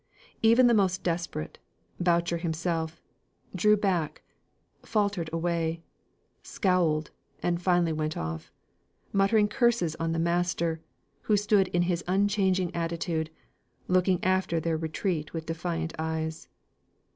Even the most desperate Boucher himself drew back, faltered away, scowled, and finally went off, muttering curses on the master, who stood in his unchanging attitude, looking after their retreat with defiant eyes.